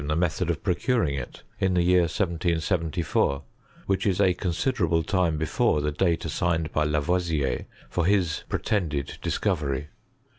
the method of procuring it in the year 1774, which is a considerable time before the dale assigned by Lavwsier for his pretended discovery.